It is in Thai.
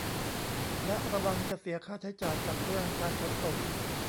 และระวังจะเสียค่าใช้จ่ายกับเรื่องการขนส่ง